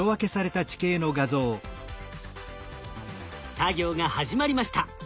作業が始まりました。